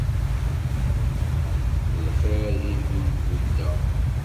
D lxir i m-buddeɣ.